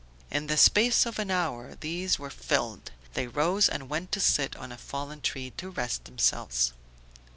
In the space of an hour these were filled; they rose and went to sit on a fallen tree to rest themselves.